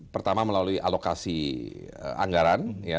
pertama melalui alokasi anggaran